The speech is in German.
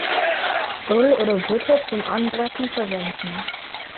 Öl oder Butter zum Anbraten verwenden.